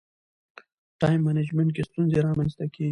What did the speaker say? ټایم منجمنټ کې ستونزې رامنځته کېږي.